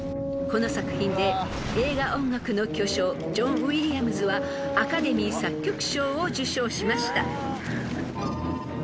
［この作品で映画音楽の巨匠ジョン・ウィリアムズはアカデミー作曲賞を受賞しました］